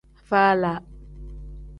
Faala.